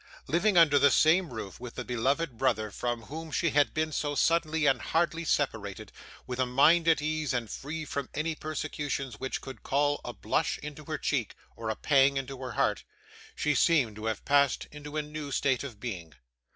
Living under the same roof with the beloved brother from whom she had been so suddenly and hardly separated: with a mind at ease, and free from any persecutions which could call a blush into her cheek, or a pang into her heart, she seemed to have passed into a new state of being.